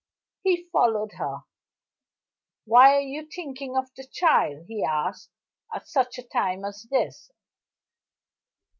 He followed her. "Why are you thinking of the child," he asked, "at such a time as this?"